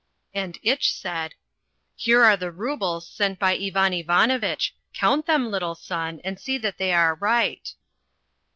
And Itch said, "Here are the rubles sent by Ivan Ivanovitch. Count them, little son, and see that they are right."